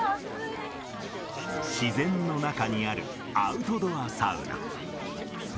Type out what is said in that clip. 自然の中にあるアウトドアサウナ。